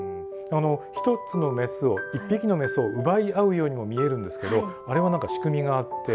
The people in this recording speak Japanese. １つのメスを１匹のメスを奪い合うようにも見えるんですけどあれは何か仕組みがあって。